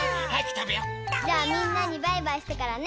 たべよう！じゃあみんなにバイバイしてからね。